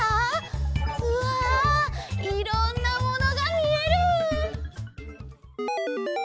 うわいろんなものがみえる！